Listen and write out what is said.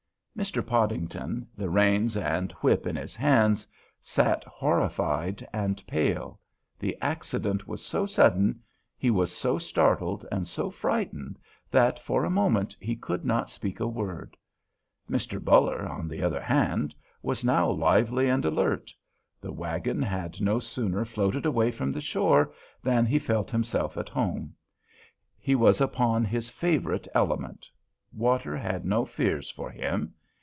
Mr. Podington, the reins and whip in his hands, sat horrified and pale; the accident was so sudden, he was so startled and so frightened that, for a moment, he could not speak a word. Mr. Buller, on the other hand, was now lively and alert. The wagon had no sooner floated away from the shore than he felt himself at home. He was upon his favorite element; water had no fears for him.